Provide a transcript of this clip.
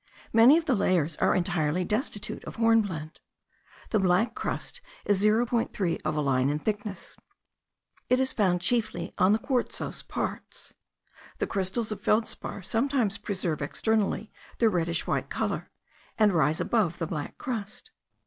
Many of the layers are entirely destitute of hornblende. The black crust is 0.3 of a line in thickness; it is found chiefly on the quartzose parts. The crystals of feldspar sometimes preserve externally their reddish white colour, and rise above the black crust.